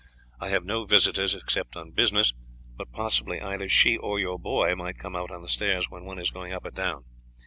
I have no visitors save on business, but possibly either she or your boy might come out on to the stairs when one is going up or down.